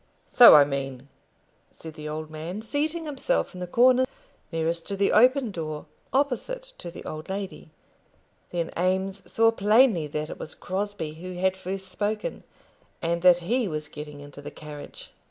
"So I mean," said the old man, seating himself in the corner nearest to the open door, opposite to the old lady. Then Eames saw plainly that it was Crosbie who had first spoken, and that he was getting into the carriage.